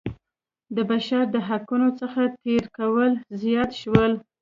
د بشر د حقونو څخه تېری کول زیات شول.